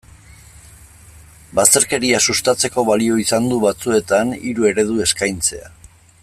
Bazterkeria sustatzeko balio izan du, batzuetan, hiru eredu eskaintzea.